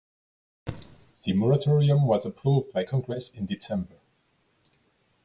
The moratorium was approved by Congress in December.